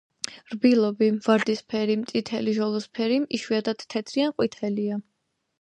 რბილობი ვარდისფერი, წითელი, ჟოლოსფერი, იშვიათად თეთრი ან ყვითელია.